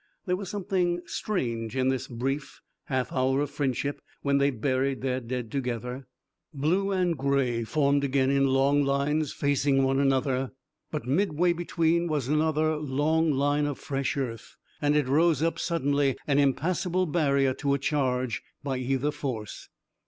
There was something strange in this brief half hour of friendship, when they buried the dead together. Blue and gray formed again in long lines facing one another, but midway between was another long line of fresh earth, and it rose up suddenly, an impassable barrier to a charge by either force.